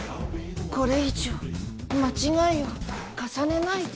これ以上間違いを重ねないで。